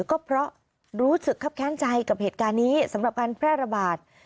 ก็เพราะรู้สึกครับแค้นใจกับเหตุการณ์นี้สำหรับการแพร่ระบาด